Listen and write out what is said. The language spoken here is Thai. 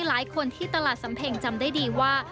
หลายคนที่ตลาดสำเพ็งจำได้ดีว่า